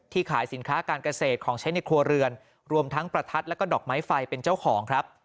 ขายสินค้าการเกษตรของใช้ในครัวเรือนรวมทั้งประทัดแล้วก็ดอกไม้ไฟเป็นเจ้าของครับ